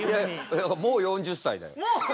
いやもう４０歳だよ。